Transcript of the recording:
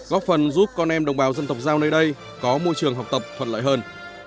góp phần giúp con em đồng bào dân tộc giao nơi đây có môi trường học tập thuận lợi hơn